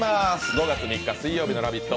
５月３日水曜日の「ラヴィット！」